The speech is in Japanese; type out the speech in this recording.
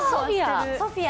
ソフィア？